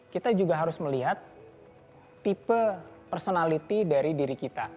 kita juga harus melihat tipe personality dari diri kita